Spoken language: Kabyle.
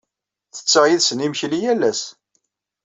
Ttetteɣ yid-sen imekli yal ass.